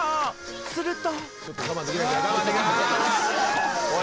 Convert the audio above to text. すると。